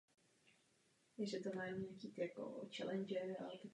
Mimo to byl i upraven jeden nástupní prostor.